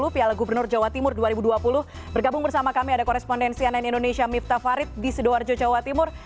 piala gubernur jawa timur dua ribu dua puluh bergabung bersama kami ada korespondensi ann indonesia miftah farid di sidoarjo jawa timur